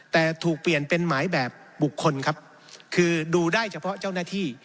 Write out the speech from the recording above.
แต่ถูกเปลี่ยนเป็นหมายแบบบุคคลครับคือดูได้เฉพาะเจ้าหน้าที่